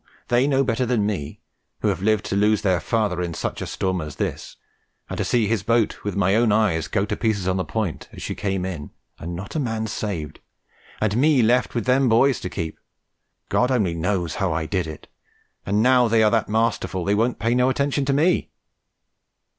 they know better than me, who have lived to lose their father in such a storm as this, and to see his boat with my own eyes go to pieces on the Point as she came in, and not a man saved, and me left with them boys to keep. God only knows how I did it, and now they are that masterful they won't pay no attention to me."